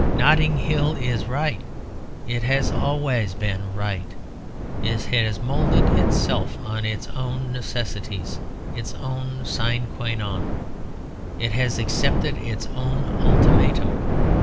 Notting Hill is right; it has always been right. It has moulded itself on its own necessities, its own sine quâ non; it has accepted its own ultimatum.